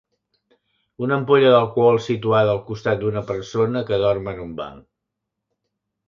Una ampolla d'alcohol situada al costat d'una persona que dorm en un banc.